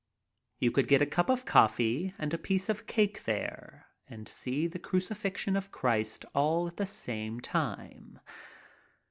You could get a cup of coffee and a piece of cake there and see the crucifixion of Christ all at the same time.